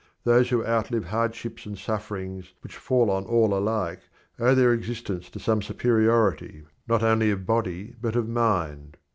Those who outlive hardships and sufferings which fall on all alike owe their existence to some superiority, not only of body but of mind.